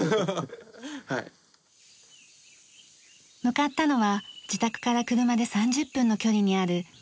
向かったのは自宅から車で３０分の距離にある円海山です。